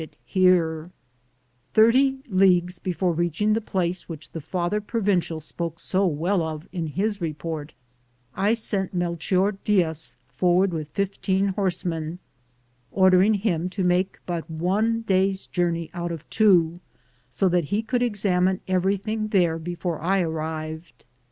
160 sit, Google THE JOURNEY OF CORONADO Thirty leagues before reaching the place which the father provincial spoke so well of in his report, 1 I sent Melchior Diaz forward with fifteen horsemen, ordering him to make bnt one day's journey out of two, so that he could examine everything there before I arrived.